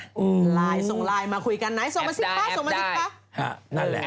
ส่งไลน์มาคุยกันไหนส่งมาสิป่ะส่งมาสิป่ะ